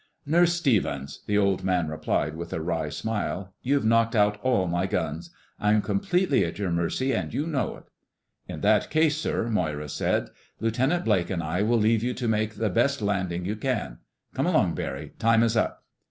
"Nurse Stevens," the Old Man replied with a wry smile, "you've knocked out all my guns. I'm completely at your mercy, and you know it." "In that case, sir," Moira said, "Lieutenant Blake and I will leave you to make the best landing you can.... Come along, Barry! Time is up."